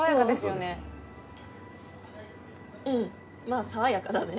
うんまぁ爽やかだね。